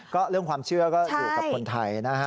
ก็เรื่องความเชื่อก็อยู่กับคนไทยนะฮะ